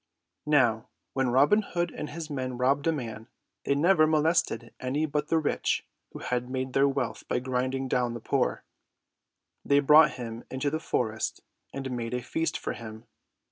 Now when Robin Hood and his men robbed a man and they never molested any but the rich who had made their wealth by grinding down the poor they brought him into the forest and made a feast for him.